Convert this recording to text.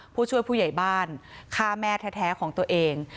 ผู้ช่วยผู้ใหญ่บ้านฆ่าแม่แท้ของตัวเอง